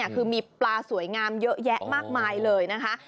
คือมีปลาสวยงามเยอะแยะมากมายเลยนะคะ